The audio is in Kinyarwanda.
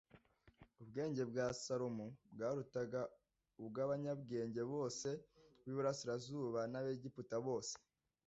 ubwenge bwa salomo bwarutaga ubw'abanyabwenge bose b'iburasirazuba n'aba egiputa bose